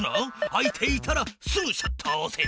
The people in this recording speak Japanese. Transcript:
開いていたらすぐシャッターをおせ。